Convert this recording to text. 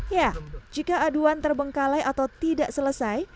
ya jika aduan terbengkalai atau tidak selesai